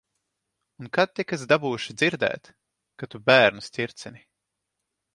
Un kad tik es dabūšu dzirdēt, ka tu bērnus ķircini.